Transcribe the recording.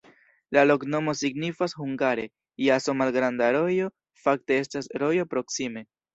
La loknomo signifas hungare: jaso-malgranda rojo, fakte estas rojo proksime.